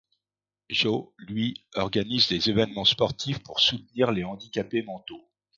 Joe, lui, organise des évènements sportifs pour soutenir les handicapés mentaux.